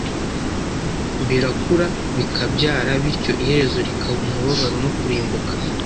birakura bikabyara, bityo iherezo rikaba umubabaro no kurimbuka